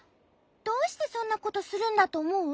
どうしてそんなことするんだとおもう？